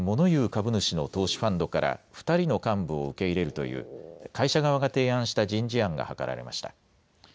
株主の投資ファンドから２人の幹部を受け入れるという会社側が提案した人事案が諮られました。